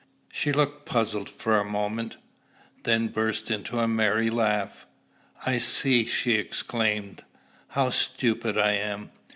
She looked puzzled for a moment, then burst into a merry laugh. "I see," she exclaimed. "How stupid I am!